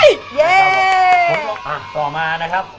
ได้ไหมได้ครับเย้ต่อมานะครับ